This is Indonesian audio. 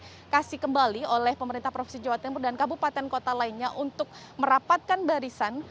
yang dikasih kembali oleh pemerintah provinsi jawa timur dan kabupaten kota lainnya untuk merapatkan barisan